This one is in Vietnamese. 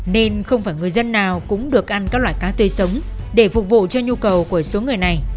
nên không phải người dân nào cũng được ăn các loại cá tươi sống để phục vụ cho nhu cầu của số người này